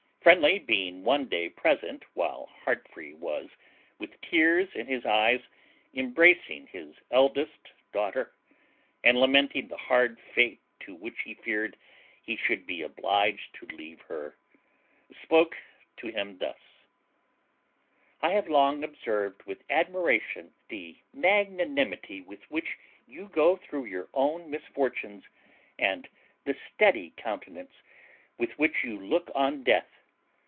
Friendly being one day present while Heartfree was, with tears in his eyes, embracing his eldest daughter, and lamenting the hard fate to which he feared he should be obliged to leave her, spoke to him thus: "I have long observed with admiration the magnanimity with which you go through your own misfortunes, and the steady countenance with which you look on death.